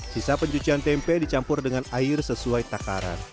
sisa pencucian tempe dicampur dengan air sesuai takaran